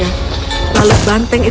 assalamualaikum haerte estima